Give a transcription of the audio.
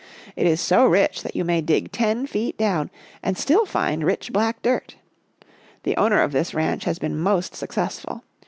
It is so rich that you may dig ten feet down and still find rich black dirt. The owner of this ranch has been most successful.